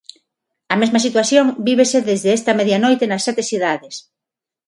A mesma situación vívese desde esta medianoite nas sete cidades.